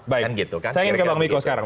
saya ingin ke bang miko sekarang